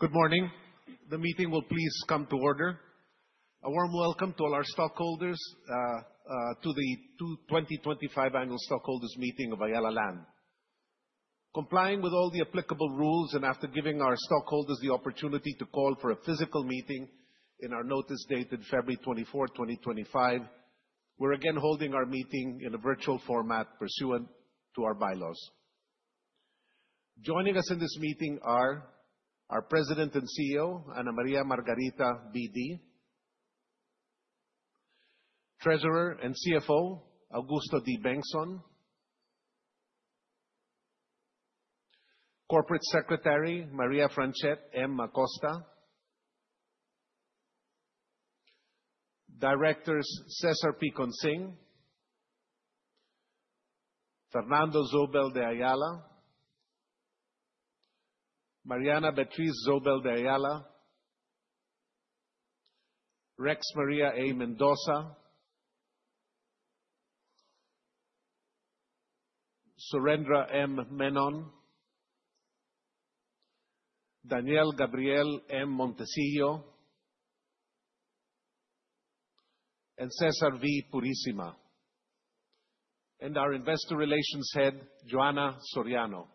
Good morning. The meeting will please come to order. A warm welcome to all our stockholders to the 2025 Annual Stockholders Meeting of Ayala Land. Complying with all the applicable rules and after giving our stockholders the opportunity to call for a physical meeting in our notice dated February 24, 2025, we're again holding our meeting in a virtual format pursuant to our bylaws. Joining us in this meeting are our President and CEO, Anna Ma. Margarita B. Dy; Treasurer and CFO, Augusto D. Bengzon; Corporate Secretary, Maria Franchette M. Acosta; Directors, Cezar P. Consing, Fernando Zobel de Ayala, Mariana Beatriz Zobel de Ayala, Rex Ma. A. Mendoza, Surendra M. Menon, Daniel Gabriel M. Montecillo, and Cesar V. Purisima; and our Investor Relations Head, Joahnna Soriano.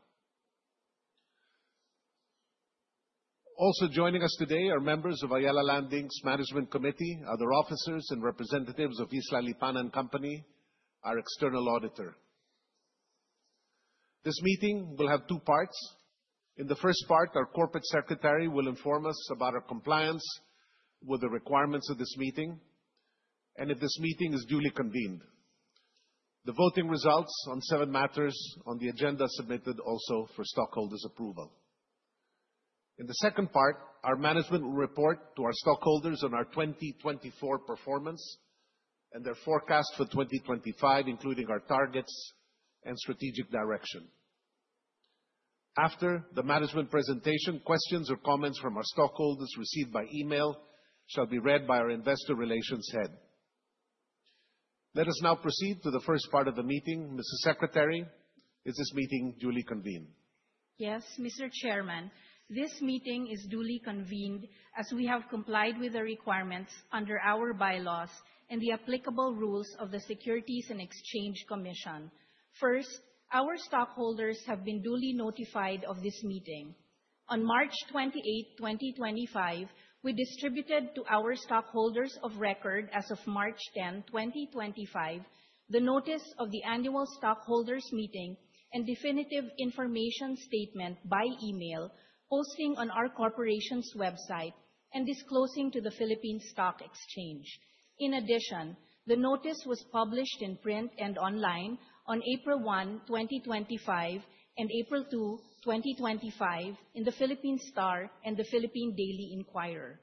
Also joining us today are members of Ayala Land, Inc.'s Management Committee, other officers, and representatives of Isla Lipana & Co., our external auditor. This meeting will have two parts. In the first part, our Corporate Secretary will inform us about our compliance with the requirements of this meeting and if this meeting is duly convened. The voting results on seven matters on the agenda submitted also for stockholders' approval. In the second part, our management will report to our stockholders on our 2024 performance and their forecast for 2025, including our targets and strategic direction. After the management presentation, questions or comments from our stockholders received by email shall be read by our investor relations head. Let us now proceed to the first part of the meeting. Mrs. Secretary, is this meeting duly convened? Yes, Mr. Chairman. This meeting is duly convened as we have complied with the requirements under our bylaws and the applicable rules of the Securities and Exchange Commission. First, our stockholders have been duly notified of this meeting. On March 28, 2025, we distributed to our stockholders of record as of March 10, 2025, the notice of the annual stockholders meeting and definitive information statement by email, posting on our corporation's website, and disclosing to the Philippine Stock Exchange. In addition, the notice was published in print and online on April 1, 2025, and April 2, 2025, in the Philippine Star and the Philippine Daily Inquirer.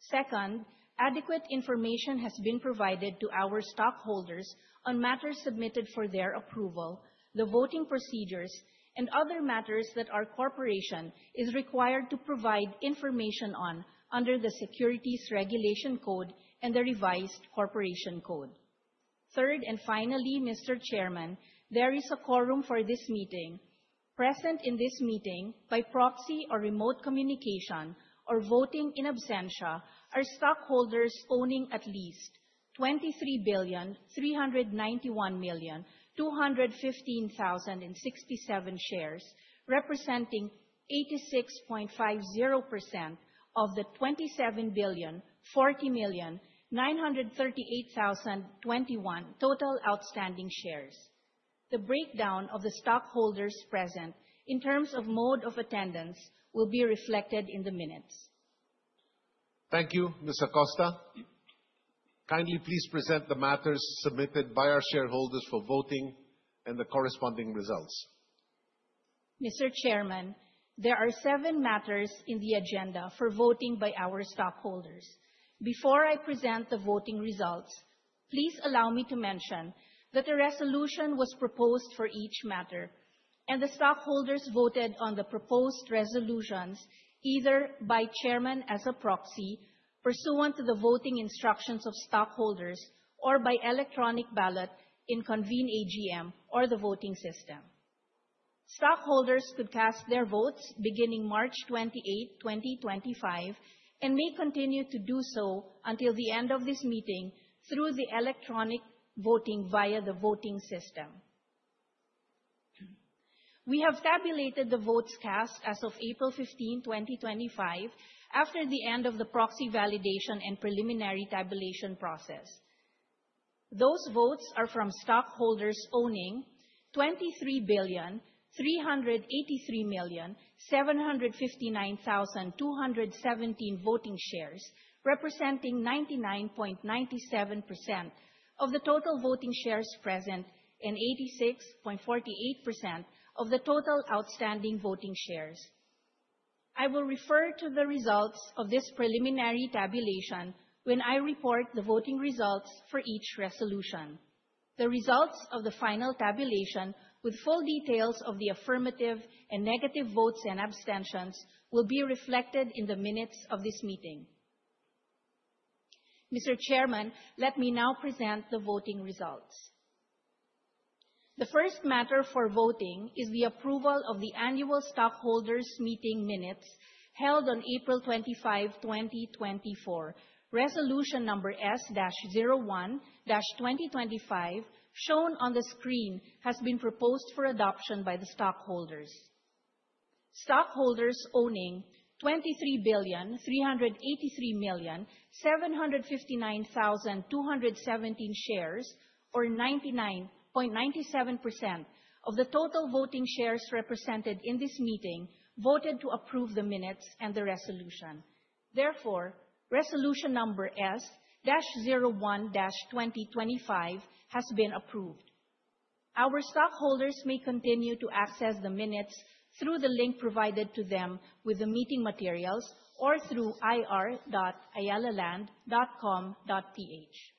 Second, adequate information has been provided to our stockholders on matters submitted for their approval, the voting procedures, and other matters that our corporation is required to provide information on under the Securities Regulation Code and the Revised Corporation Code. Third and finally, Mr. Chairman, there is a quorum for this meeting. Present in this meeting by proxy or remote communication or voting in absentia are stockholders owning at least 23,391,215,067 shares, representing 86.50% of the 27,040,938,021 total outstanding shares. The breakdown of the stockholders present in terms of mode of attendance will be reflected in the minutes. Thank you, Ms. Acosta. Kindly please present the matters submitted by our shareholders for voting and the corresponding results. Mr. Chairman, there are seven matters in the agenda for voting by our stockholders. Before I present the voting results, please allow me to mention that a resolution was proposed for each matter, and the stockholders voted on the proposed resolutions, either by chairman as a proxy pursuant to the voting instructions of stockholders or by electronic ballot in ConveneAGM or the voting system. Stockholders could cast their votes beginning March 28, 2025, and may continue to do so until the end of this meeting through the electronic voting via the voting system. We have tabulated the votes cast as of April 15, 2025, after the end of the proxy validation and preliminary tabulation process. Those votes are from stockholders owning 23,383,759,217 voting shares, representing 99.97% of the total voting shares present and 86.48% of the total outstanding voting shares. I will refer to the results of this preliminary tabulation when I report the voting results for each resolution. The results of the final tabulation with full details of the affirmative and negative votes and abstentions will be reflected in the minutes of this meeting. Mr. Chairman, let me now present the voting results. The first matter for voting is the approval of the annual stockholders' meeting minutes held on April 25, 2024. Resolution number S-01-2025, shown on the screen, has been proposed for adoption by the stockholders. Stockholders owning 23,383,759,217 shares, or 99.97% of the total voting shares represented in this meeting, voted to approve the minutes and the resolution. Therefore, resolution number S-01-2025 has been approved. Our stockholders may continue to access the minutes through the link provided to them with the meeting materials or through ir.ayalaland.com.ph.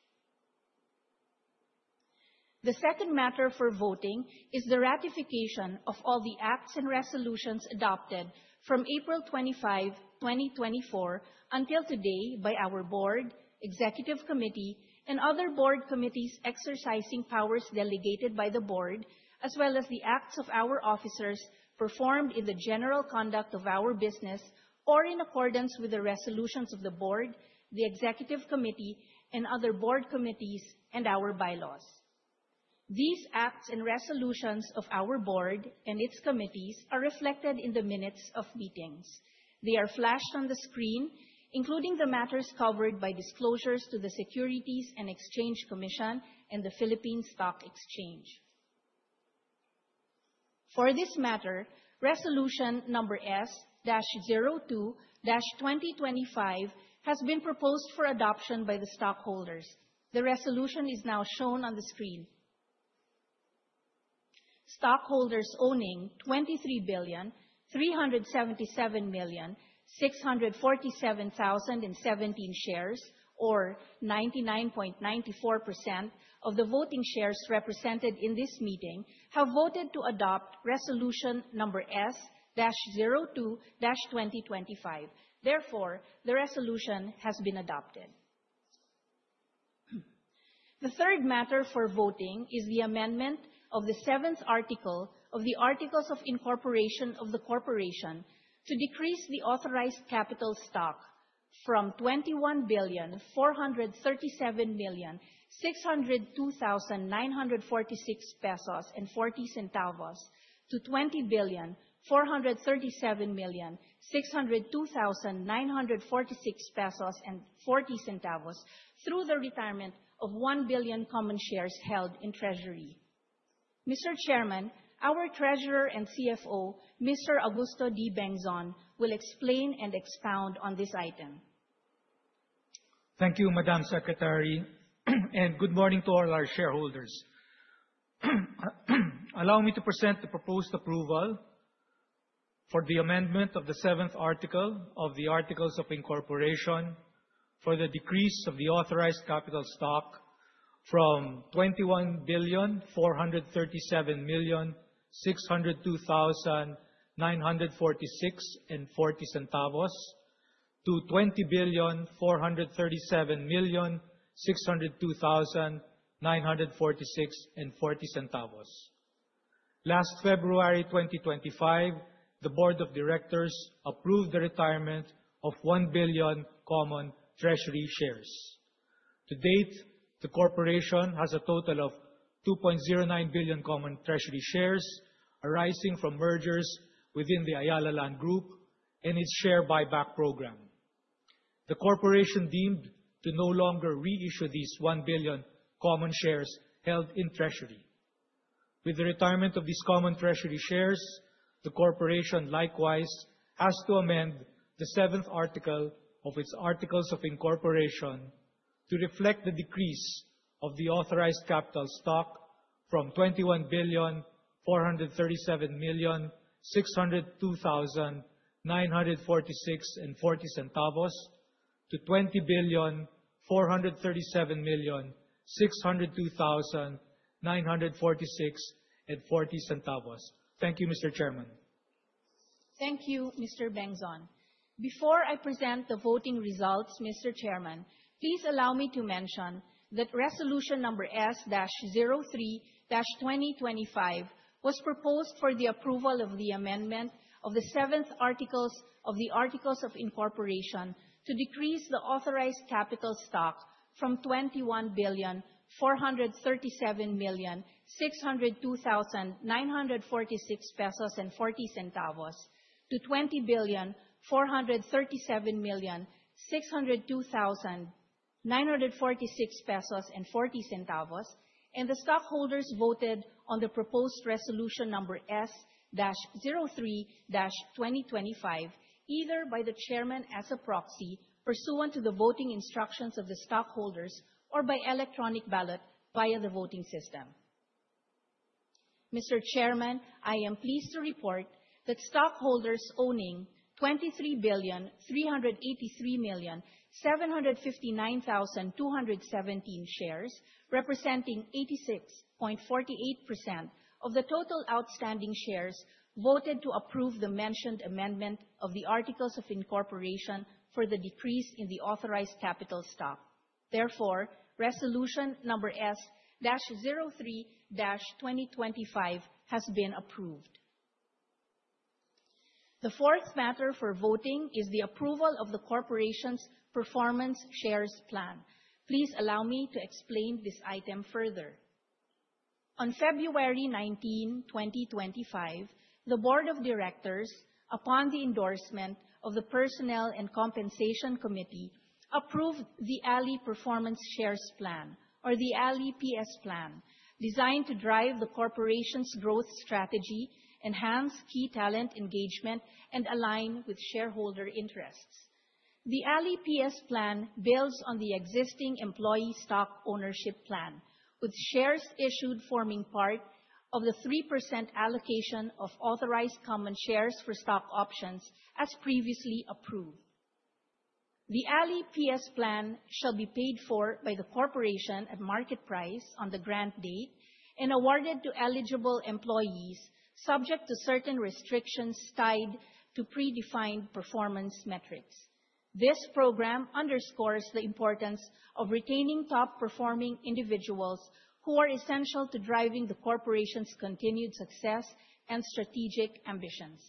The second matter for voting is the ratification of all the acts and resolutions adopted from April 25, 2024, until today by our board, executive committee, and other board committees exercising powers delegated by the board, as well as the acts of our officers performed in the general conduct of our business or in accordance with the resolutions of the board, the executive committee, and other board committees and our bylaws. These acts and resolutions of our board and its committees are reflected in the minutes of meetings. They are flashed on the screen, including the matters covered by disclosures to the Securities and Exchange Commission and the Philippine Stock Exchange. For this matter, Resolution Number S-02-2025 has been proposed for adoption by the stockholders. The resolution is now shown on the screen. Stockholders owning 23,377,647,017 shares, or 99.94% of the voting shares represented in this meeting, have voted to adopt Resolution Number S-02-2025. Therefore, the resolution has been adopted. The third matter for voting is the amendment of the seventh article of the articles of incorporation of the corporation to decrease the authorized capital stock from 21,437,602,946.40 pesos to 20,437,602,946.40 pesos through the retirement of 1 billion common shares held in treasury. Mr. Chairman, our Treasurer and CFO, Mr. Augusto D. Bengzon, will explain and expound on this item. Thank you, Madam Secretary, and good morning to all our shareholders. Allow me to present the proposed approval for the amendment of the seventh article of the articles of incorporation for the decrease of the authorized capital stock from 21,437,602,946.40 to 20,437,602,946.40. Last February 2025, the Board of Directors approved the retirement of 1 billion common treasury shares. To date, the corporation has a total of 2.09 billion common treasury shares arising from mergers within the Ayala Land group and its share buyback program. The corporation deemed to no longer reissue these 1 billion common shares held in treasury. With the retirement of these common treasury shares, the corporation likewise has to amend the seventh article of its articles of incorporation to reflect the decrease of the authorized capital stock from 21,437,602,946.40 to 20,437,602,946.40. Thank you, Mr. Chairman. Thank you, Mr. Bengzon. Before I present the voting results, Mr. Chairman, please allow me to mention that Resolution Number S-03-2025 was proposed for the approval of the amendment of the seventh article of the articles of incorporation to decrease the authorized capital stock from 21,437,602,946.40 pesos to 20,437,602,946.40 pesos, and the stockholders voted on the proposed Resolution Number S-03-2025, either by the chairman as a proxy pursuant to the voting instructions of the stockholders or by electronic ballot via the voting system. Mr. Chairman, I am pleased to report that stockholders owning 23,383,759,217 shares, representing 86.48% of the total outstanding shares, voted to approve the mentioned amendment of the articles of incorporation for the decrease in the authorized capital stock. Therefore, Resolution Number S-03-2025 has been approved. The fourth matter for voting is the approval of the corporation's Performance Shares Plan. Please allow me to explain this item further. On February 19, 2025, the Board of Directors, upon the endorsement of the Personnel and Compensation Committee, approved the ALI Performance Shares Plan, or the ALI PS plan, designed to drive the corporation's growth strategy, enhance key talent engagement, and align with shareholder interests. The ALI PS plan builds on the existing employee stock ownership plan with shares issued forming part of the 3% allocation of authorized common shares for stock options as previously approved. The ALI PS plan shall be paid for by the corporation at market price on the grant date and awarded to eligible employees subject to certain restrictions tied to predefined performance metrics. This program underscores the importance of retaining top-performing individuals who are essential to driving the corporation's continued success and strategic ambitions.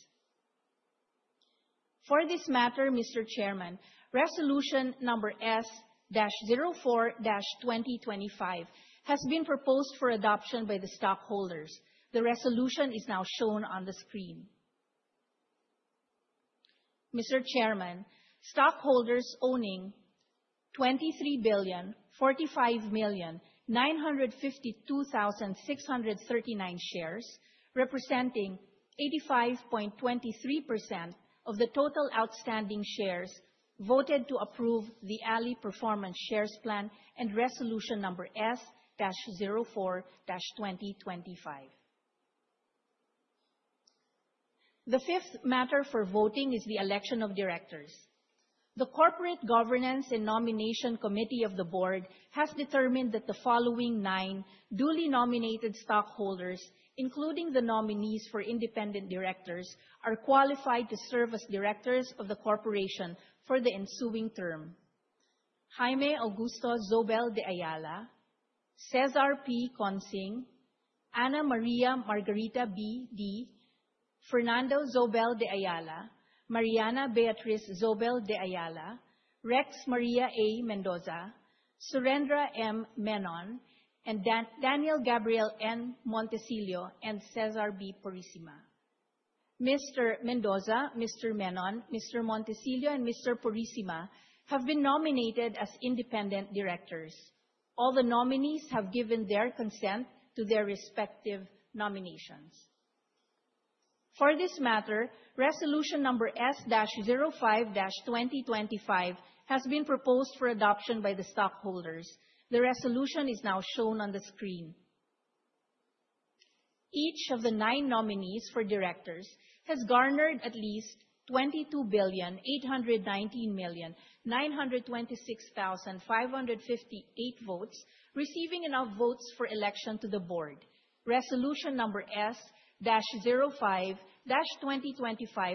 For this matter, Mr. Chairman, Resolution Number S-04-2025 has been proposed for adoption by the stockholders. The resolution is now shown on the screen. Mr. Chairman, stockholders owning 23,045,952,639 shares, representing 85.23% of the total outstanding shares, voted to approve the ALI Performance Shares Plan and Resolution Number S-04-2025. The fifth matter for voting is the election of directors. The Corporate Governance and Nomination Committee of the board has determined that the following nine duly nominated stockholders, including the nominees for independent directors, are qualified to serve as directors of the corporation for the ensuing term. Jaime Augusto Zobel de Ayala, Cezar P. Consing, Anna Ma. Margarita B. Dy, Fernando Zobel de Ayala, Mariana Beatriz Zobel de Ayala, Rex Ma. A. Mendoza, Surendra M. Menon, Daniel Gabriel M. Montecillo, and Cesar V. Purisima. Mr. Mendoza, Mr. Menon, Mr. Montecillo, and Mr. Purisima have been nominated as independent directors. All the nominees have given their consent to their respective nominations. For this matter, Resolution Number S-05-2025 has been proposed for adoption by the stockholders. The resolution is now shown on the screen. Each of the nine nominees for directors has garnered at least 22,819,926,558 votes, receiving enough votes for election to the board. Resolution Number S-05-2025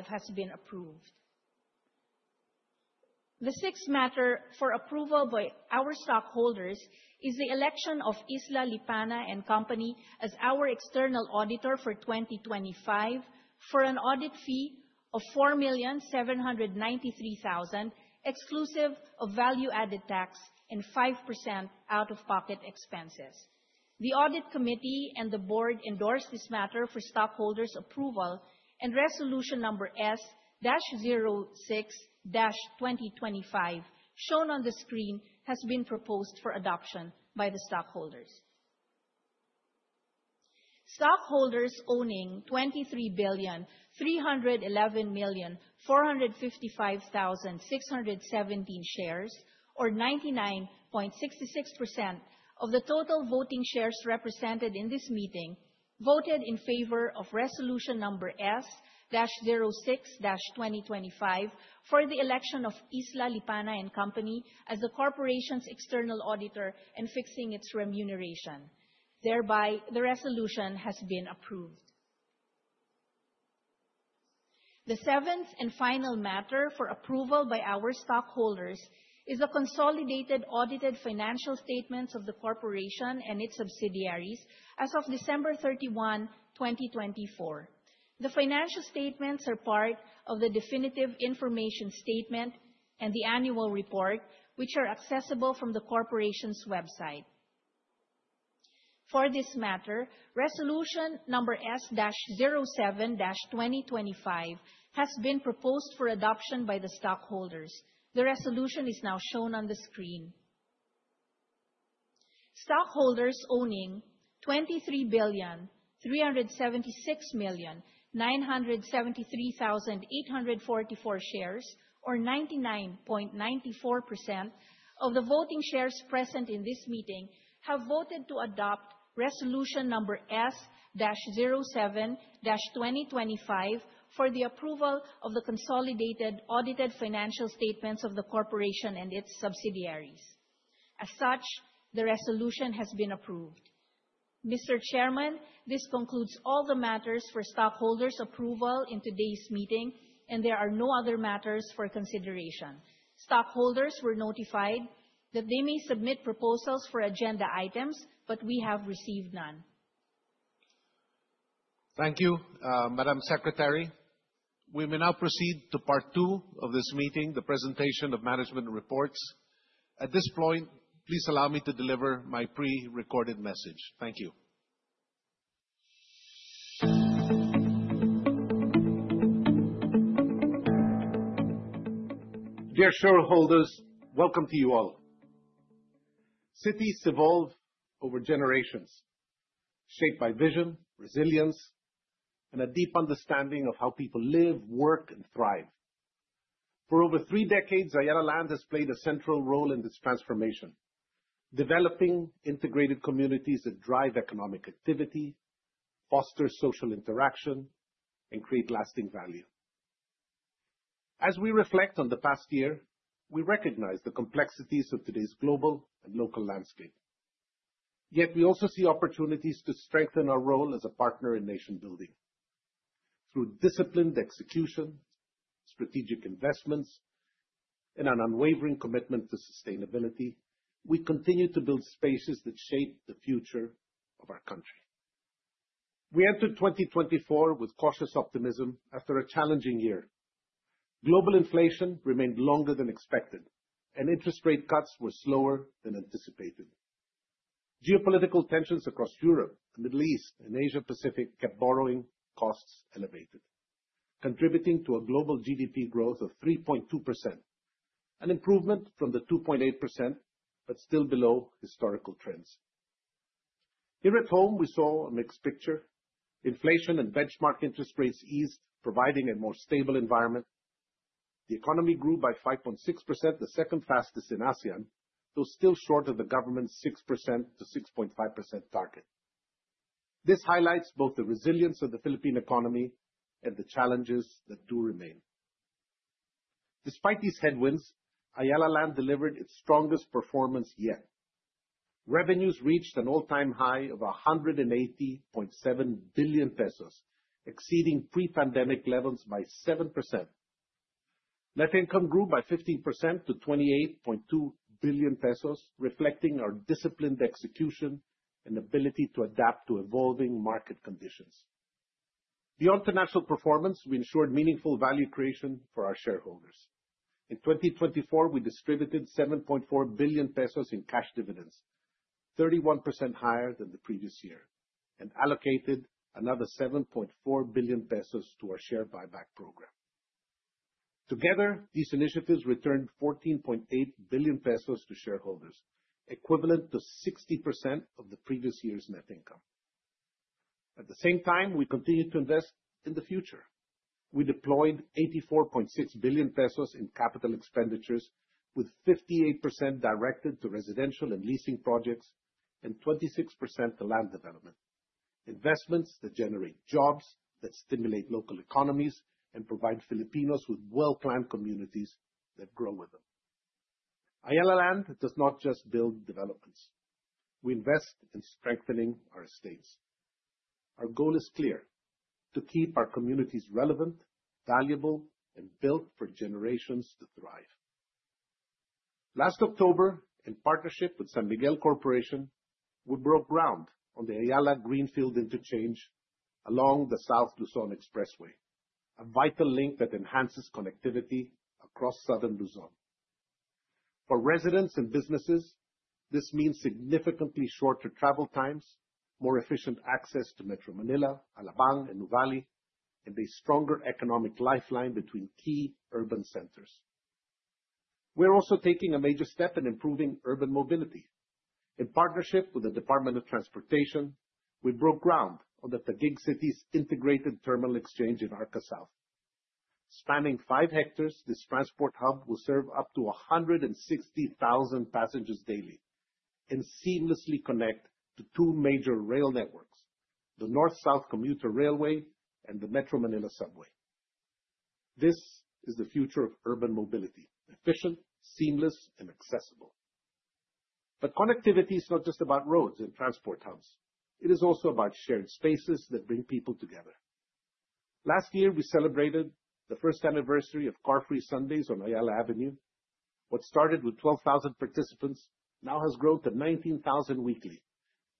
has been approved. The sixth matter for approval by our stockholders is the election of Isla Lipana & Company as our external auditor for 2025 for an audit fee of 4,793,000, exclusive of value-added tax and 5% out-of-pocket expenses. The audit committee and the board endorse this matter for stockholders' approval, and Resolution Number S-06-2025, shown on the screen, has been proposed for adoption by the stockholders. Stockholders owning 23,311,455,617 shares, or 99.66% of the total voting shares represented in this meeting, voted in favor of Resolution Number S-06-2025 for the election of Isla Lipana & Company as the corporation's external auditor and fixing its remuneration. Thereby, the resolution has been approved. The seventh and final matter for approval by our stockholders is the consolidated audited financial statements of the corporation and its subsidiaries as of December 31, 2024. The financial statements are part of the definitive information statement and the annual report, which are accessible from the corporation's website. For this matter, Resolution Number S-07-2025 has been proposed for adoption by the stockholders. The resolution is now shown on the screen. Stockholders owning 23,376,973,844 shares, or 99.94% of the voting shares present in this meeting, have voted to adopt Resolution Number S-07-2025 for the approval of the consolidated audited financial statements of the corporation and its subsidiaries. As such, the resolution has been approved. Mr. Chairman, this concludes all the matters for stockholders' approval in today's meeting, and there are no other matters for consideration. Stockholders were notified that they may submit proposals for agenda items, but we have received none. Thank you, Madam Secretary. We may now proceed to part two of this meeting, the presentation of management reports. At this point, please allow me to deliver my prerecorded message. Thank you. Dear shareholders, welcome to you all. Cities evolve over generations, shaped by vision, resilience, and a deep understanding of how people live, work, and thrive. For over three decades, Ayala Land has played a central role in this transformation, developing integrated communities that drive economic activity, foster social interaction, and create lasting value. As we reflect on the past year, we recognize the complexities of today's global and local landscape. Yet we also see opportunities to strengthen our role as a partner in nation-building. Through disciplined execution, strategic investments, and an unwavering commitment to sustainability, we continue to build spaces that shape the future of our country. We entered 2024 with cautious optimism after a challenging year. Global inflation remained longer than expected. Interest rate cuts were slower than anticipated. Geopolitical tensions across Europe, the Middle East, and Asia Pacific kept borrowing costs elevated, contributing to a global GDP growth of 3.2%, an improvement from the 2.8%, still below historical trends. Here at home, we saw a mixed picture. Inflation and benchmark interest rates eased, providing a more stable environment. The economy grew by 5.6%, the second fastest in ASEAN, though still short of the government's 6%-6.5% target. This highlights both the resilience of the Philippine economy and the challenges that do remain. Despite these headwinds, Ayala Land delivered its strongest performance yet. Revenues reached an all-time high of 180.7 billion pesos, exceeding pre-pandemic levels by 7%. Net income grew by 15% to 28.2 billion pesos, reflecting our disciplined execution and ability to adapt to evolving market conditions. Beyond financial performance, we ensured meaningful value creation for our shareholders. In 2024, we distributed 7.4 billion pesos in cash dividends, 31% higher than the previous year, and allocated another 7.4 billion pesos to our share buyback program. Together, these initiatives returned 14.8 billion pesos to shareholders, equivalent to 60% of the previous year's net income. At the same time, we continued to invest in the future. We deployed 84.6 billion pesos in capital expenditures, with 58% directed to residential and leasing projects and 26% to land development, investments that generate jobs, that stimulate local economies, and provide Filipinos with well-planned communities that grow with them. Ayala Land does not just build developments. We invest in strengthening our estates. Our goal is clear: to keep our communities relevant, valuable, and built for generations to thrive. Last October, in partnership with San Miguel Corporation, we broke ground on the Ayala Greenfield Interchange along the South Luzon Expressway, a vital link that enhances connectivity across southern Luzon. For residents and businesses, this means significantly shorter travel times, more efficient access to Metro Manila, Alabang, and Nuvali, and a stronger economic lifeline between key urban centers. We are also taking a major step in improving urban mobility. In partnership with the Department of Transportation, we broke ground on the Taguig City's integrated terminal exchange in Arca South. Spanning five hectares, this transport hub will serve up to 160,000 passengers daily and seamlessly connect to two major rail networks, the North-South Commuter Railway and the Metro Manila Subway. This is the future of urban mobility: efficient, seamless, and accessible. Connectivity is not just about roads and transport hubs. It is also about shared spaces that bring people together. Last year, we celebrated the first anniversary of car-free Sundays on Ayala Avenue. What started with 12,000 participants now has grown to 19,000 weekly,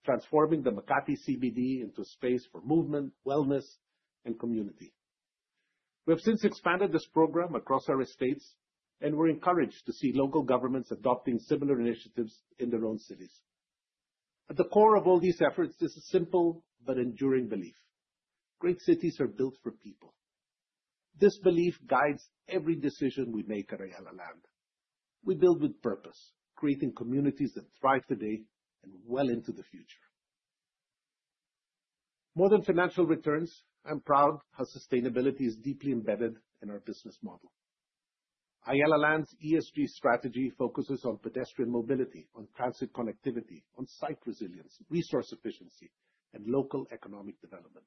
transforming the Makati CBD into a space for movement, wellness, and community. We have since expanded this program across our estates. We are encouraged to see local governments adopting similar initiatives in their own cities. At the core of all these efforts is a simple but enduring belief. Great cities are built for people. This belief guides every decision we make at Ayala Land. We build with purpose, creating communities that thrive today and well into the future. More than financial returns, I am proud how sustainability is deeply embedded in our business model. Ayala Land's ESG strategy focuses on pedestrian mobility, on transit connectivity, on site resilience, resource efficiency, and local economic development,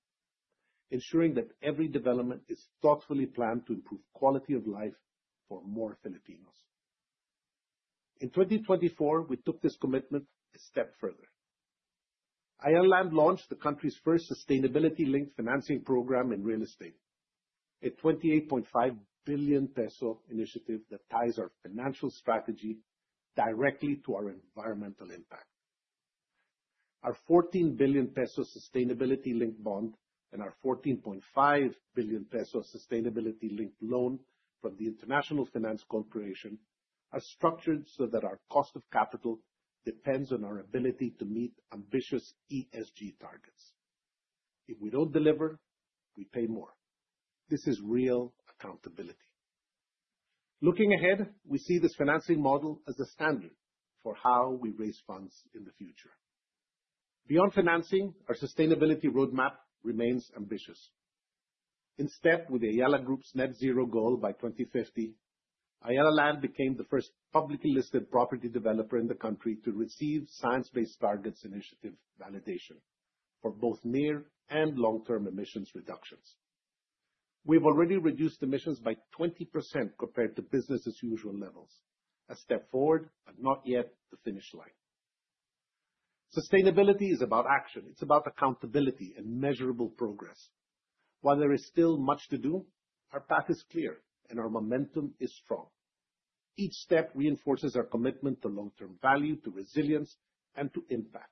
ensuring that every development is thoughtfully planned to improve quality of life for more Filipinos. In 2024, we took this commitment a step further. Ayala Land launched the country's first sustainability-linked financing program in real estate, a 28.5 billion peso initiative that ties our financial strategy directly to our environmental impact. Our 14 billion peso sustainability-linked bond and our 14.5 billion peso sustainability-linked loan from the International Finance Corporation are structured so that our cost of capital depends on our ability to meet ambitious ESG targets. If we don't deliver, we pay more. This is real accountability. Looking ahead, we see this financing model as a standard for how we raise funds in the future. Beyond financing, our sustainability roadmap remains ambitious. In step with the Ayala Group's net zero goal by 2050, Ayala Land became the first publicly listed property developer in the country to receive Science Based Targets initiative validation for both near and long-term emissions reductions. We've already reduced emissions by 20% compared to business as usual levels, a step forward, but not yet the finish line. Sustainability is about action. It's about accountability and measurable progress. While there is still much to do, our path is clear and our momentum is strong. Each step reinforces our commitment to long-term value, to resilience, and to impact.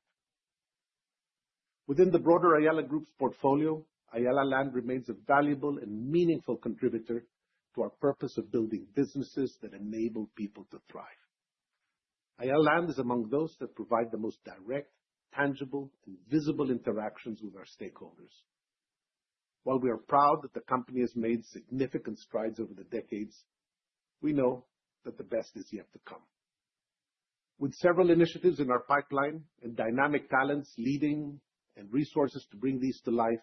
Within the broader Ayala Group's portfolio, Ayala Land remains a valuable and meaningful contributor to our purpose of building businesses that enable people to thrive. Ayala Land is among those that provide the most direct, tangible, and visible interactions with our stakeholders. While we are proud that the company has made significant strides over the decades, we know that the best is yet to come. With several initiatives in our pipeline and dynamic talents leading and resources to bring these to life,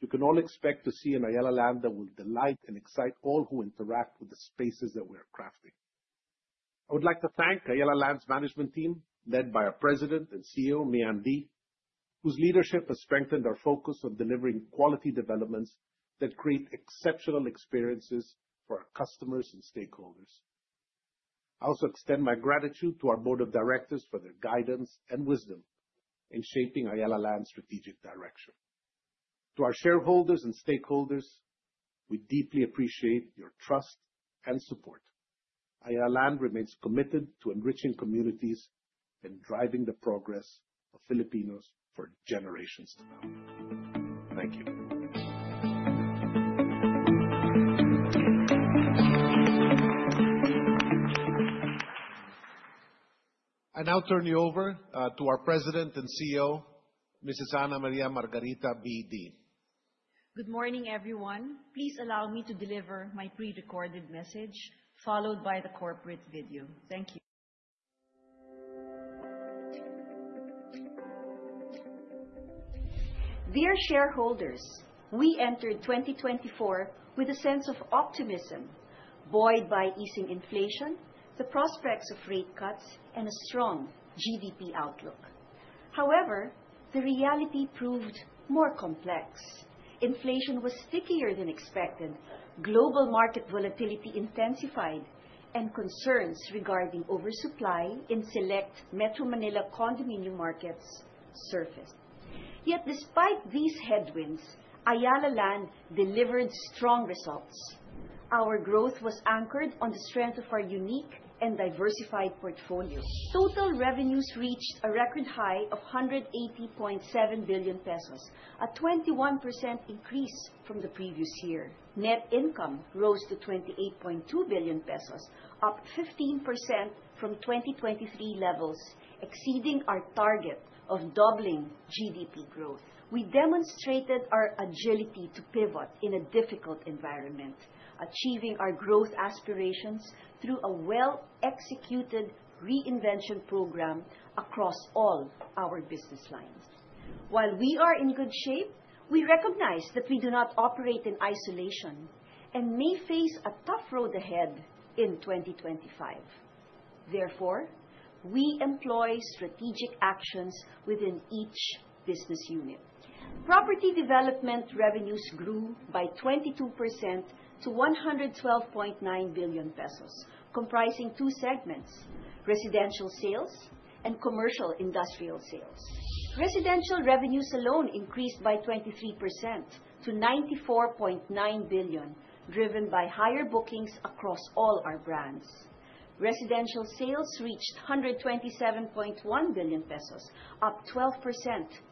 you can all expect to see an Ayala Land that will delight and excite all who interact with the spaces that we are crafting. I would like to thank Ayala Land's management team, led by our President and CEO, Mia Dee, whose leadership has strengthened our focus on delivering quality developments that create exceptional experiences for our customers and stakeholders. I also extend my gratitude to our board of directors for their guidance and wisdom in shaping Ayala Land's strategic direction. To our shareholders and stakeholders, we deeply appreciate your trust and support. Ayala Land remains committed to enriching communities and driving the progress of Filipinos for generations to come. Thank you. I now turn you over to our President and CEO, Mrs. Ana Ma. Margarita B. Dy. Good morning, everyone. Please allow me to deliver my prerecorded message, followed by the corporate video. Thank you. Dear shareholders, we entered 2024 with a sense of optimism buoyed by easing inflation, the prospects of rate cuts, and a strong GDP outlook. However, the reality proved more complex. Inflation was stickier than expected, global market volatility intensified, and concerns regarding oversupply in select Metro Manila condominium markets surfaced. Yet despite these headwinds, Ayala Land delivered strong results. Our growth was anchored on the strength of our unique and diversified portfolio. Total revenues reached a record high of 180.7 billion pesos, a 21% increase from the previous year. Net income rose to 28.2 billion pesos, up 15% from 2023 levels, exceeding our target of doubling GDP growth. We demonstrated our agility to pivot in a difficult environment, achieving our growth aspirations through a well-executed reinvention program across all our business lines. While we are in good shape, we recognize that we do not operate in isolation and may face a tough road ahead in 2025. Therefore, we employ strategic actions within each business unit. Property development revenues grew by 22% to 112.9 billion pesos, comprising two segments, residential sales and commercial industrial sales. Residential revenues alone increased by 23% to 94.9 billion, driven by higher bookings across all our brands. Residential sales reached 127.1 billion pesos, up 12%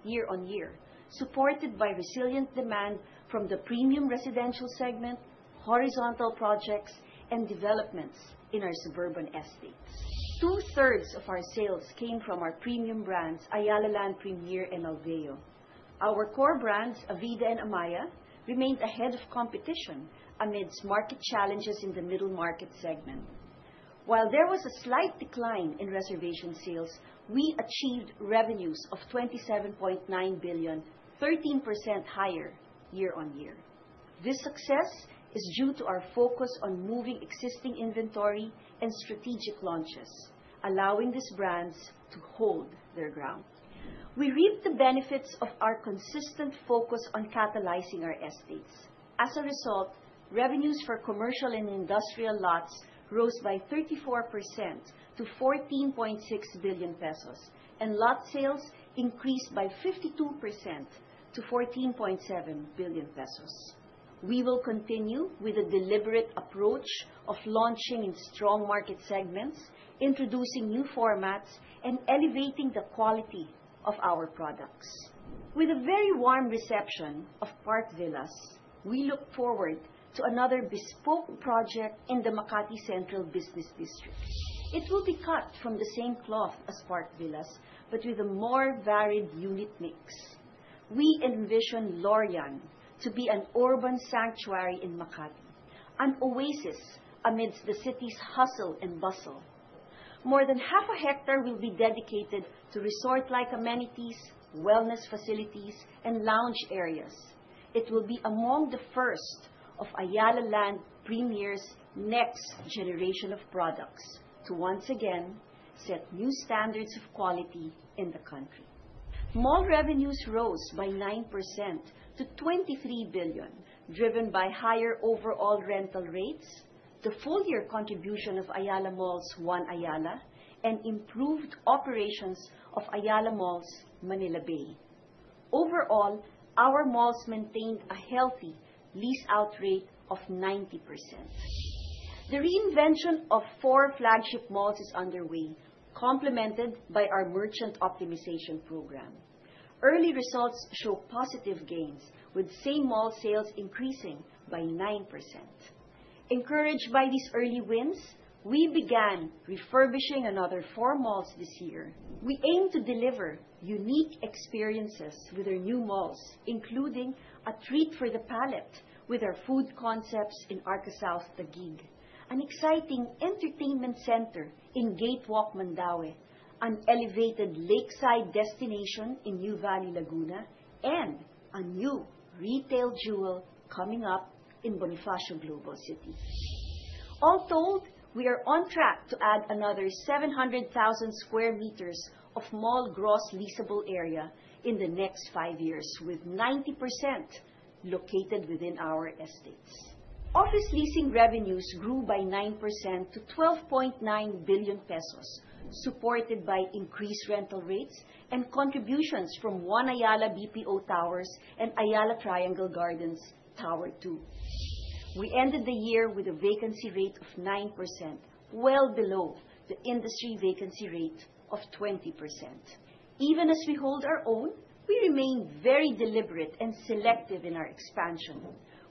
year on year, supported by resilient demand from the premium residential segment, horizontal projects, and developments in our suburban estates. Two-thirds of our sales came from our premium brands, Ayala Land Premier and Alveo. Our core brands, Avida and Amaia, remained ahead of competition amidst market challenges in the middle market segment. While there was a slight decline in reservation sales, we achieved revenues of 27.9 billion, 13% higher year on year. This success is due to our focus on moving existing inventory and strategic launches, allowing these brands to hold their ground. We reap the benefits of our consistent focus on catalyzing our estates. As a result, revenues for commercial and industrial lots rose by 34% to 14.6 billion pesos, and lot sales increased by 52% to 14.7 billion pesos. We will continue with a deliberate approach of launching in strong market segments, introducing new formats, and elevating the quality of our products. With a very warm reception of Park Villas, we look forward to another bespoke project in the Makati central business district. It will be cut from the same cloth as Park Villas, but with a more varied unit mix. We envision Lorian to be an urban sanctuary in Makati, an oasis amidst the city's hustle and bustle. More than half a hectare will be dedicated to resort-like amenities, wellness facilities, and lounge areas. It will be among the first of Ayala Land Premier's next generation of products to once again set new standards of quality in the country. Mall revenues rose by 9% to 23 billion, driven by higher overall rental rates, the full-year contribution of Ayala Malls One Ayala, and improved operations of Ayala Malls Manila Bay. Overall, our malls maintained a healthy lease-out rate of 90%. The reinvention of four flagship malls is underway, complemented by our merchant optimization program. Early results show positive gains, with same mall sales increasing by 9%. Encouraged by these early wins, we began refurbishing another four malls this year. We aim to deliver unique experiences with our new malls, including a treat for the palate with our food concepts in Arca South, Taguig, an exciting entertainment center in Gatewalk Central, Mandaue, an elevated lakeside destination in Nuvali, Laguna, and a new retail jewel coming up in Bonifacio Global City. All told, we are on track to add another 700,000 square meters of mall gross leasable area in the next five years, with 90% located within our estates. Office leasing revenues grew by 9% to 12.9 billion pesos, supported by increased rental rates and contributions from One Ayala BPO Towers and Ayala Triangle Gardens Tower 2. We ended the year with a vacancy rate of 9%, well below the industry vacancy rate of 20%. Even as we hold our own, we remain very deliberate and selective in our expansion.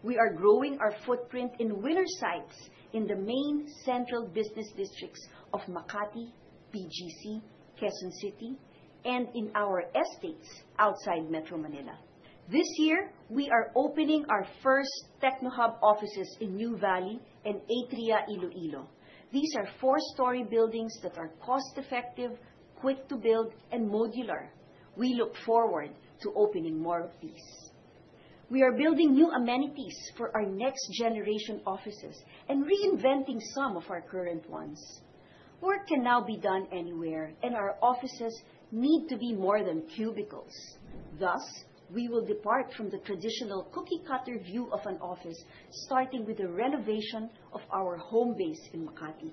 We are growing our footprint in winner sites in the main central business districts of Makati, BGC, Quezon City, and in our estates outside Metro Manila. This year, we are opening our first TechnoHub offices in Nuvali and Atria Park District, Iloilo. These are four-story buildings that are cost-effective, quick to build, and modular. We look forward to opening more of these. We are building new amenities for our next-generation offices and reinventing some of our current ones. Work can now be done anywhere, and our offices need to be more than cubicles. Thus, we will depart from the traditional cookie-cutter view of an office, starting with the renovation of our home base in Makati.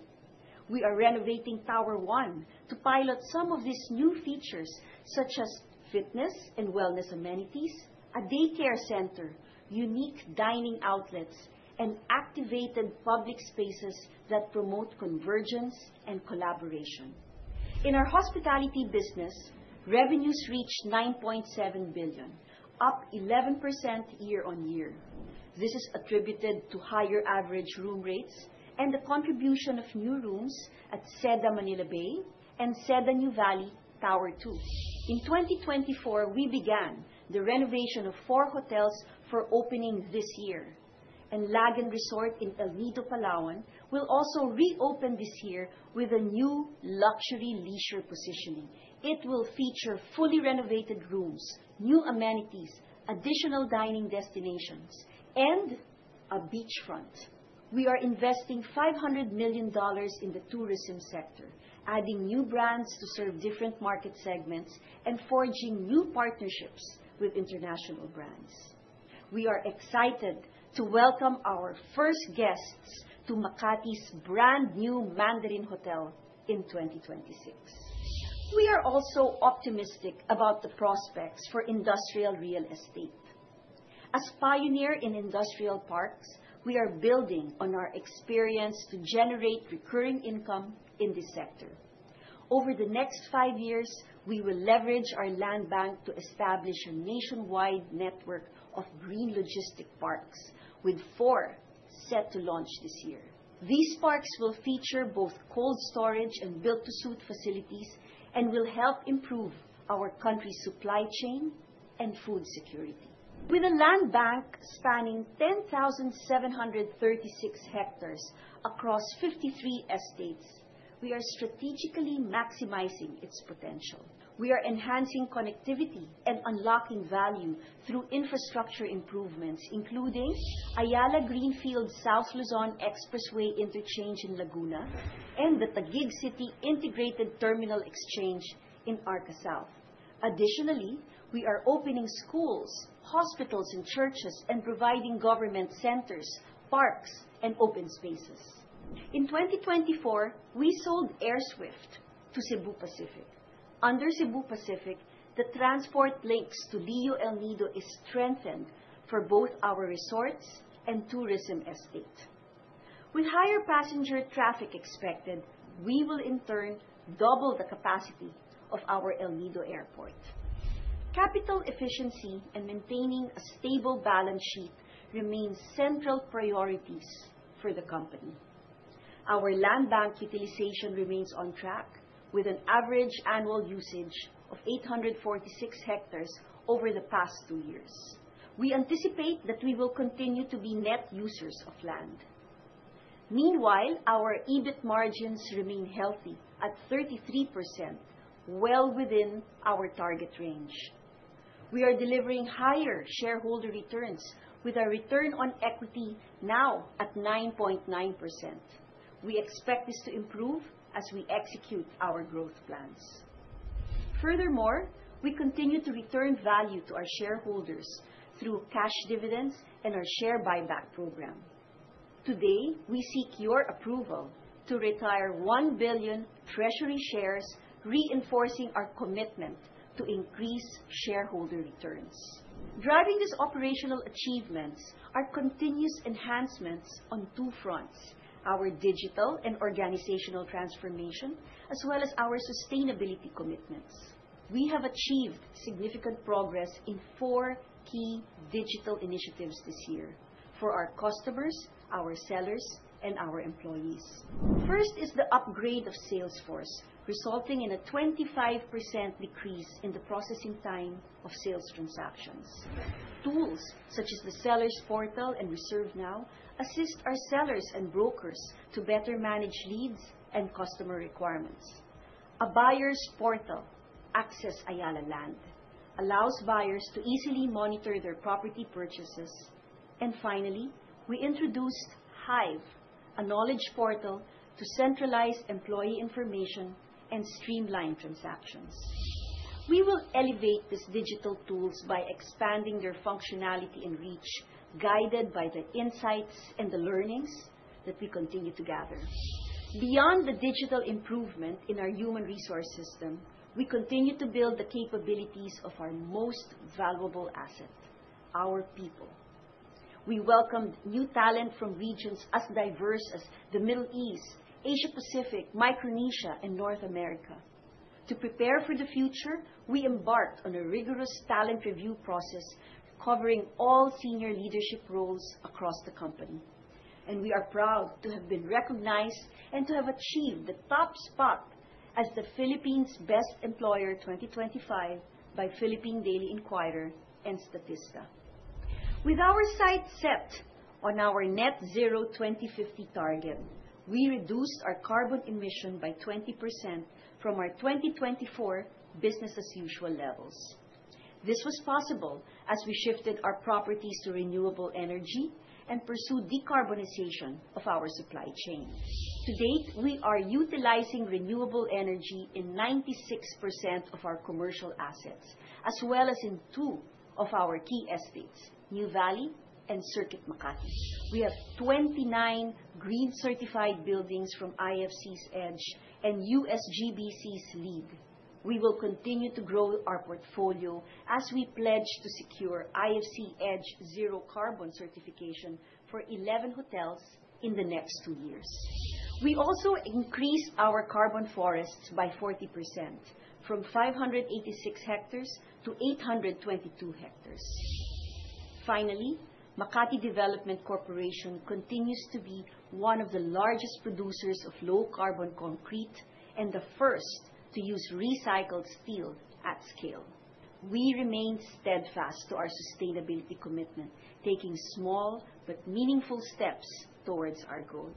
We are renovating Tower 1 to pilot some of these new features, such as fitness and wellness amenities, a daycare center, unique dining outlets, and activated public spaces that promote convergence and collaboration. In our hospitality business, revenues reached 9.7 billion, up 11% year-on-year. This is attributed to higher average room rates and the contribution of new rooms at Seda Manila Bay and Seda Nuvali Tower 2. In 2024, we began the renovation of four hotels for opening this year, and Lagen Resort in El Nido, Palawan will also reopen this year with a new luxury leisure positioning. It will feature fully renovated rooms, new amenities, additional dining destinations, and a beachfront. We are investing $500 million in the tourism sector, adding new brands to serve different market segments and forging new partnerships with international brands. We are excited to welcome our first guests to Makati's brand-new Mandarin Oriental Makati, Manila in 2026. We are also optimistic about the prospects for industrial real estate. As pioneer in industrial parks, we are building on our experience to generate recurring income in this sector. Over the next five years, we will leverage our land bank to establish a nationwide network of green logistic parks, with four set to launch this year. These parks will feature both cold storage and built-to-suit facilities and will help improve our country's supply chain and food security. With a land bank spanning 10,736 hectares across 53 estates, we are strategically maximizing its potential. We are enhancing connectivity and unlocking value through infrastructure improvements, including Ayala Greenfield South Luzon Expressway Interchange in Laguna and the Taguig City Integrated Terminal Exchange in Arca South. Additionally, we are opening schools, hospitals, and churches and providing government centers, parks, and open spaces. In 2024, we sold AirSWIFT to Cebu Pacific. Under Cebu Pacific, the transport links to Lio El Nido is strengthened for both our resorts and tourism estate. With higher passenger traffic expected, we will in turn double the capacity of our El Nido Airport. Capital efficiency and maintaining a stable balance sheet remains central priorities for the company. Our land bank utilization remains on track with an average annual usage of 846 hectares over the past two years. We anticipate that we will continue to be net users of land. Meanwhile, our EBIT margins remain healthy at 33%, well within our target range. We are delivering higher shareholder returns with our return on equity now at 9.9%. We expect this to improve as we execute our growth plans. Furthermore, we continue to return value to our shareholders through cash dividends and our share buyback program. Today, we seek your approval to retire 1 billion treasury shares, reinforcing our commitment to increase shareholder returns. Driving these operational achievements are continuous enhancements on two fronts, our digital and organizational transformation, as well as our sustainability commitments. We have achieved significant progress in four key digital initiatives this year for our customers, our sellers, and our employees. First is the upgrade of Salesforce, resulting in a 25% decrease in the processing time of sales transactions. Tools such as the Sellers Portal and Reserve Now assist our sellers and brokers to better manage leads and customer requirements. A buyer's portal, Access Ayala Land, allows buyers to easily monitor their property purchases. Finally, we introduced Hive, a knowledge portal to centralize employee information and streamline transactions. We will elevate these digital tools by expanding their functionality and reach, guided by the insights and the learnings that we continue to gather. Beyond the digital improvement in our human resource system, we continue to build the capabilities of our most valuable asset: our people. We welcomed new talent from regions as diverse as the Middle East, Asia-Pacific, Micronesia, and North America. To prepare for the future, we embarked on a rigorous talent review process covering all senior leadership roles across the company. We are proud to have been recognized and to have achieved the top spot as the Philippines' Best Employer 2025 by Philippine Daily Inquirer and Statista. With our sights set on our net zero 2050 target, we reduced our carbon emission by 20% from our 2024 business-as-usual levels. This was possible as we shifted our properties to renewable energy and pursued decarbonization of our supply chain. To date, we are utilizing renewable energy in 96% of our commercial assets, as well as in two of our key estates, Nuvali and Circuit Makati. We have 29 green-certified buildings from IFC's EDGE and USGBC's LEED. We will continue to grow our portfolio as we pledge to secure IFC EDGE Zero Carbon certification for 11 hotels in the next two years. We also increased our carbon forests by 40%, from 586 hectares to 822 hectares. Finally, Makati Development Corporation continues to be one of the largest producers of low-carbon concrete and the first to use recycled steel at scale. We remain steadfast to our sustainability commitment, taking small but meaningful steps towards our goal.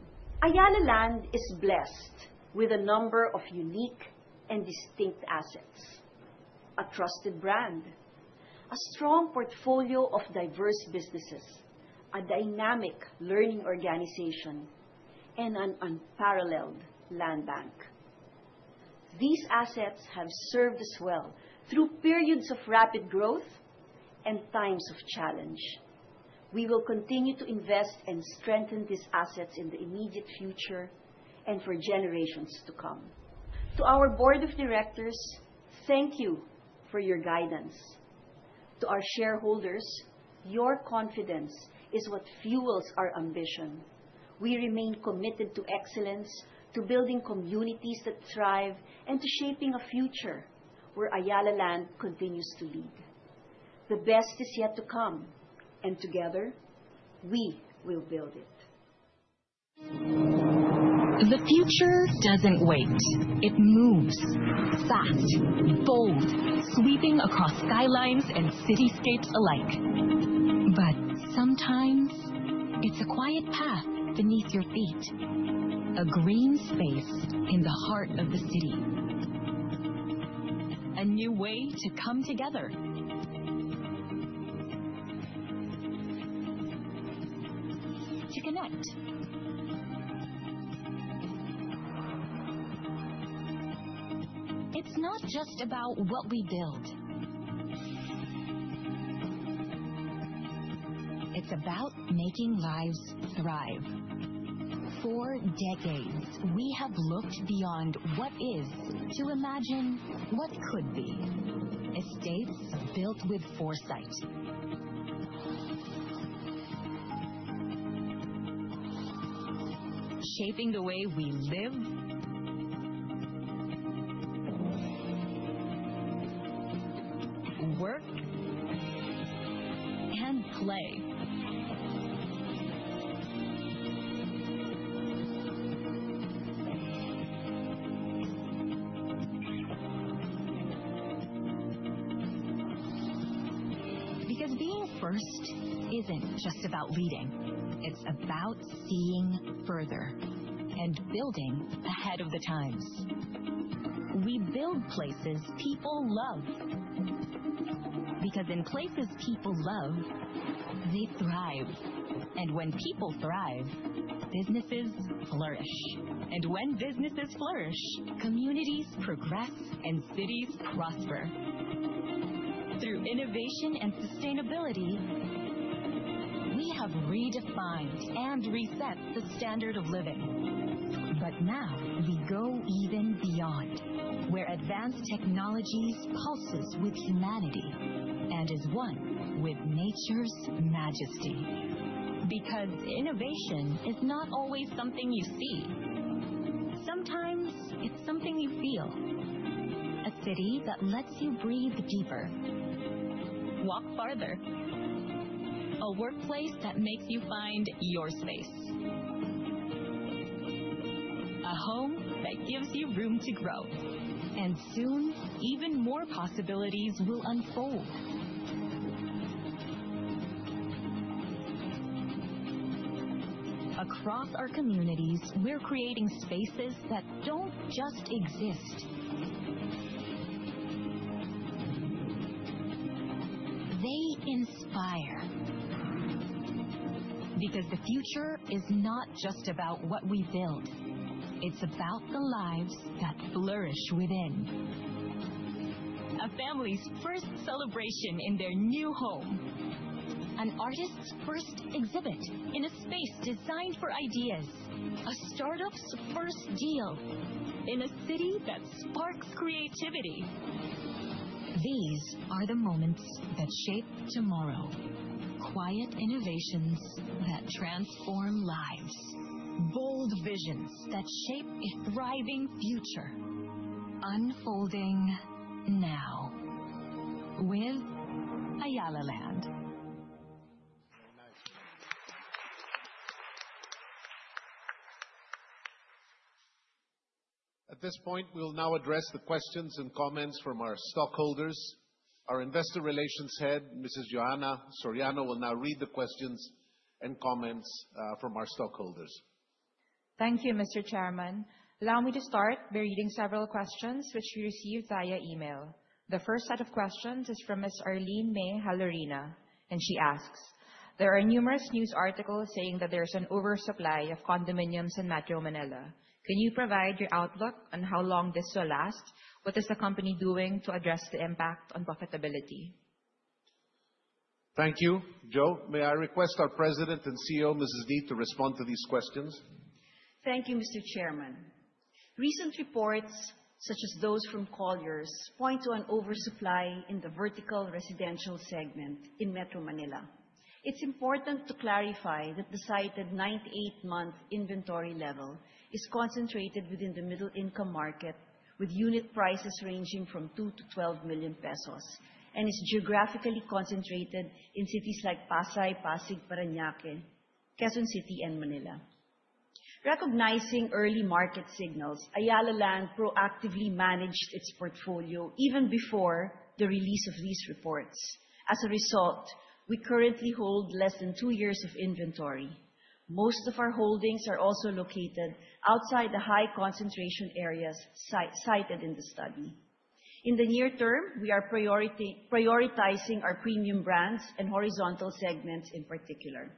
Ayala Land is blessed with a number of unique and distinct assets, a trusted brand, a strong portfolio of diverse businesses, a dynamic learning organization, and an unparalleled land bank. These assets have served us well through periods of rapid growth and times of challenge. We will continue to invest and strengthen these assets in the immediate future and for generations to come. To our board of directors, thank you for your guidance. To our shareholders, your confidence is what fuels our ambition. We remain committed to excellence, to building communities that thrive, and to shaping a future where Ayala Land continues to lead. The best is yet to come, and together, we will build it. The future doesn't wait. It moves fast, bold, sweeping across skylines and cityscapes alike. Sometimes it's a quiet path beneath your feet, a green space in the heart of the city. A new way to come together. To connect. It's not just about what we build. It's about making lives thrive. For decades, we have looked beyond what is to imagine what could be. Estates built with foresight. Shaping the way we live, work, and play. Being first isn't just about leading, it's about seeing further and building ahead of the times. We build places people love. In places people love, they thrive. When people thrive, businesses flourish. When businesses flourish, communities progress and cities prosper. Through innovation and sustainability, we have redefined and reset the standard of living. Now we go even beyond, where advanced technologies pulses with humanity and is one with nature's majesty. Innovation is not always something you see. Sometimes it's something you feel. A city that lets you breathe deeper, walk farther. A workplace that makes you find your space. A home that gives you room to grow. Soon, even more possibilities will unfold. Across our communities, we're creating spaces that don't just exist. They inspire. The future is not just about what we build, it's about the lives that flourish within. A family's first celebration in their new home. An artist's first exhibit in a space designed for ideas. A startup's first deal in a city that sparks creativity. These are the moments that shape tomorrow. Quiet innovations that transform lives. Bold visions that shape a thriving future, unfolding now with Ayala Land. Very nice. At this point, we'll now address the questions and comments from our stockholders. Our Investor Relations Head, Mrs. Joahnna Soriano, will now read the questions and comments from our stockholders. Thank you, Mr. Chairman. Allow me to start by reading several questions which we received via email. The first set of questions is from Ms. Arlene Mae Halorina, and she asks, "There are numerous news articles saying that there's an oversupply of condominiums in Metro Manila. Can you provide your outlook on how long this will last? What is the company doing to address the impact on profitability? Thank you. Jo, may I request our President and CEO, Mrs. Dy, to respond to these questions? Thank you, Mr. Chairman. Recent reports, such as those from Colliers, point to an oversupply in the vertical residential segment in Metro Manila. It's important to clarify that the cited 98-month inventory level is concentrated within the middle-income market, with unit prices ranging from 2 million-12 million pesos, and is geographically concentrated in cities like Pasay, Pasig, Parañaque, Quezon City, and Manila. Recognizing early market signals, Ayala Land proactively managed its portfolio even before the release of these reports. As a result, we currently hold less than two years of inventory. Most of our holdings are also located outside the high-concentration areas cited in the study. In the near term, we are prioritizing our premium brands and horizontal segments in particular.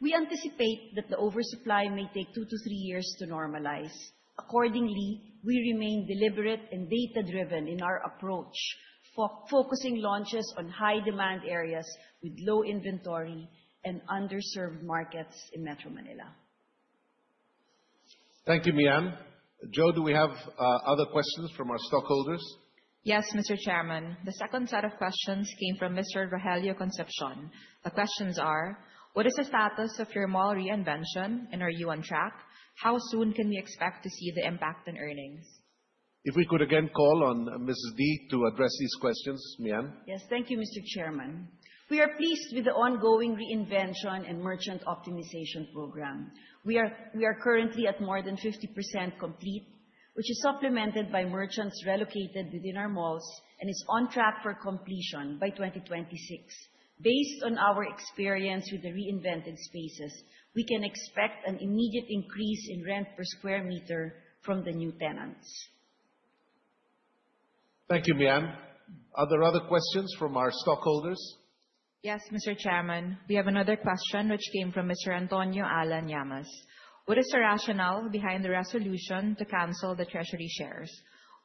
We anticipate that the oversupply may take two to three years to normalize. Accordingly, we remain deliberate and data-driven in our approach focusing launches on high-demand areas with low inventory and underserved markets in Metro Manila. Thank you, Mian. Jo, do we have other questions from our stockholders? Yes, Mr. Chairman. The second set of questions came from Mr. Rogelio Concepcion. The questions are, what is the status of your mall reinvention, and are you on track? How soon can we expect to see the impact in earnings? If we could again call on Mia Dee to address these questions, Mian. Yes. Thank you, Mr. Chairman. We are pleased with the ongoing reinvention and merchant optimization program. We are currently at more than 50% complete, which is supplemented by merchants relocated within our malls and is on track for completion by 2026. Based on our experience with the reinvented spaces, we can expect an immediate increase in rent per square meter from the new tenants. Thank you, Mian. Are there other questions from our stockholders? Yes, Mr. Chairman. We have another question, which came from Mr. Antonio Alan Llamas. What is the rationale behind the resolution to cancel the treasury shares?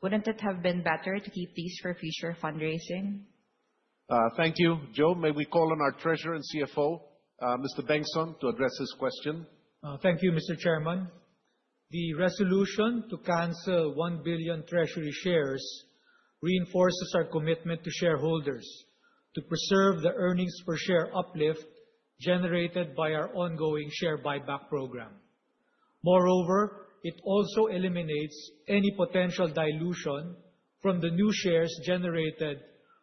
Wouldn't it have been better to keep these for future fundraising? Thank you. Jo, may we call on our Treasurer and CFO, Mr. Bengson, to address this question? Thank you, Mr. Chairman. The resolution to cancel 1 billion treasury shares reinforces our commitment to shareholders to preserve the earnings per share uplift generated by our ongoing share buyback program. It also eliminates any potential dilution from the new shares generated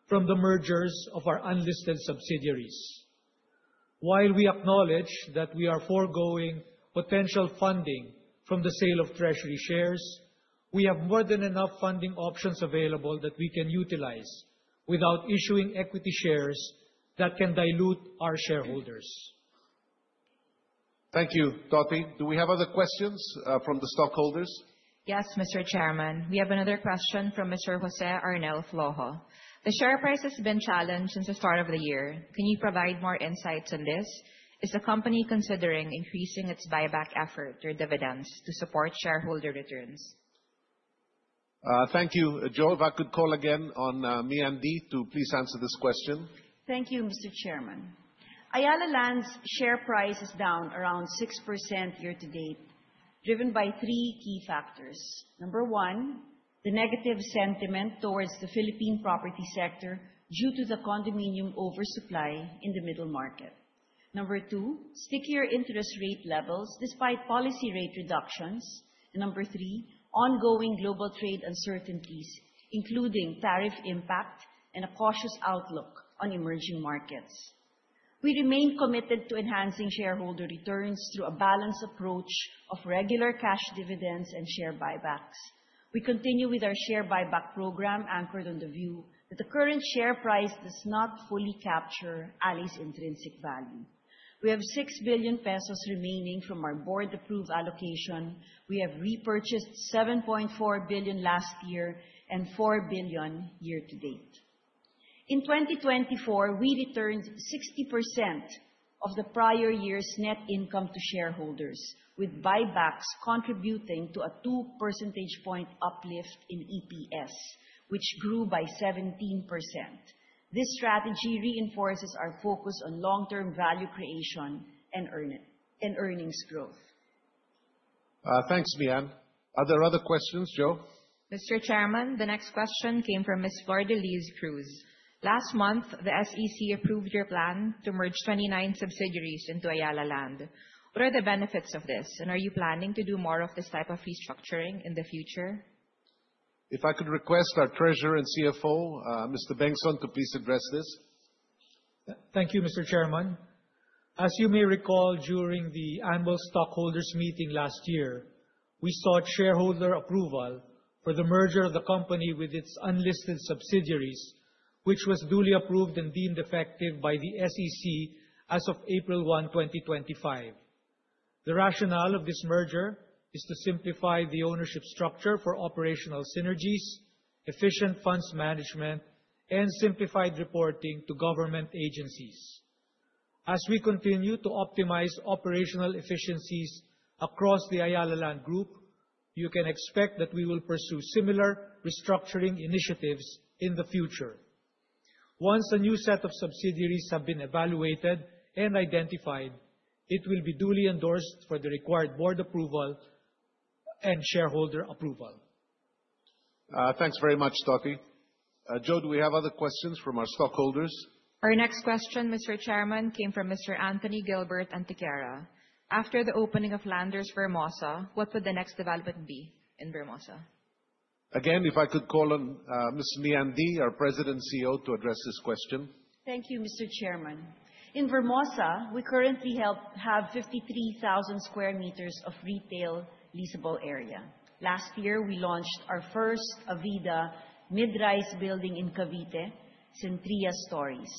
from the mergers of our unlisted subsidiaries. While we acknowledge that we are foregoing potential funding from the sale of treasury shares, we have more than enough funding options available that we can utilize without issuing equity shares that can dilute our shareholders. Thank you, Toti. Do we have other questions from the stockholders? Yes, Mr. Chairman. We have another question from Mr. Jose Arnel Flojo. The share price has been challenged since the start of the year. Can you provide more insights on this? Is the company considering increasing its buyback effort through dividends to support shareholder returns? Thank you, Jo. If I could call again on Mia Dee to please answer this question. Thank you, Mr. Chairman. Ayala Land's share price is down around 6% year to date, driven by three key factors. Number 1, the negative sentiment towards the Philippine property sector due to the condominium oversupply in the middle market. Number 2, stickier interest rate levels despite policy rate reductions. Number 3, ongoing global trade uncertainties, including tariff impact and a cautious outlook on emerging markets. We remain committed to enhancing shareholder returns through a balanced approach of regular cash dividends and share buybacks. We continue with our share buyback program anchored on the view that the current share price does not fully capture ALI's intrinsic value. We have 6 billion pesos remaining from our board-approved allocation. We have repurchased 7.4 billion last year and 4 billion year to date. In 2024, we returned 60% of the prior year's net income to shareholders, with buybacks contributing to a two percentage point uplift in EPS, which grew by 17%. This strategy reinforces our focus on long-term value creation and earnings growth. Thanks, Mian. Are there other questions, Jo? Mr. Chairman, the next question came from Ms. Flordeliz Cruz. Last month, the SEC approved your plan to merge 29 subsidiaries into Ayala Land. What are the benefits of this, are you planning to do more of this type of restructuring in the future? If I could request our treasurer and CFO, Mr. Bengzon, to please address this. Thank you, Mr. Chairman. As you may recall, during the annual stockholders meeting last year, we sought shareholder approval for the merger of the company with its unlisted subsidiaries, which was duly approved and deemed effective by the SEC as of April 1, 2025. The rationale of this merger is to simplify the ownership structure for operational synergies, efficient funds management, and simplified reporting to government agencies. As we continue to optimize operational efficiencies across the Ayala Land group, you can expect that we will pursue similar restructuring initiatives in the future. Once a new set of subsidiaries have been evaluated and identified, it will be duly endorsed for the required board approval and shareholder approval. Thanks very much, Toti. Jo, do we have other questions from our stockholders? Our next question, Mr. Chairman, came from Mr. Anthony Gilbert Antequera. After the opening of Landers Vermosa, what would the next development be in Vermosa? Again, if I could call on Ms. Mian Dee, our President CEO, to address this question. Thank you, Mr. Chairman. In Vermosa, we currently have 53,000 sq m of retail leasable area. Last year, we launched our first Avida mid-rise building in Cavite, Centria Stories.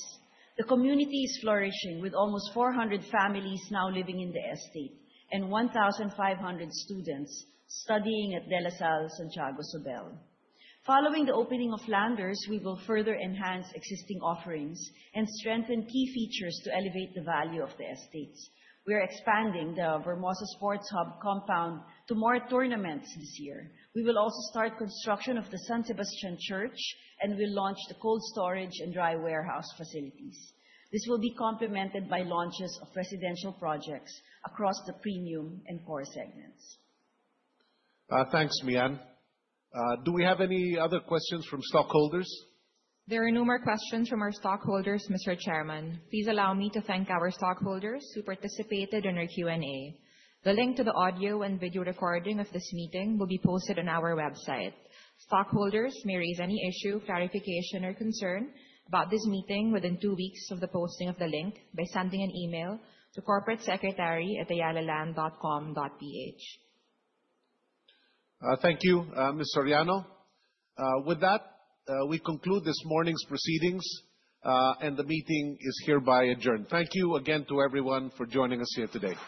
The community is flourishing, with almost 400 families now living in the estate and 1,500 students studying at De La Salle Santiago Zobel School. Following the opening of Landers, we will further enhance existing offerings and strengthen key features to elevate the value of the estates. We are expanding the Vermosa Sports Hub compound to more tournaments this year. We will also start construction of the San Sebastian Church. We'll launch the cold storage and dry warehouse facilities. This will be complemented by launches of residential projects across the premium and core segments. Thanks, Mian. Do we have any other questions from stockholders? There are no more questions from our stockholders, Mr. Chairman. Please allow me to thank our stockholders who participated in our Q&A. The link to the audio and video recording of this meeting will be posted on our website. Stockholders may raise any issue, clarification, or concern about this meeting within two weeks of the posting of the link by sending an email to corporatesecretary@ayalaland.com.ph. Thank you, Ms. Soriano. With that, we conclude this morning's proceedings. The meeting is hereby adjourned. Thank you again to everyone for joining us here today.